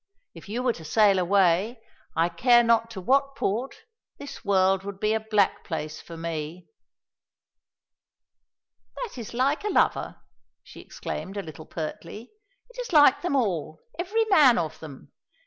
If you were to sail away, I care not to what port, this world would be a black place for me." "That is like a lover," she exclaimed a little pertly; "it is like them all, every man of them.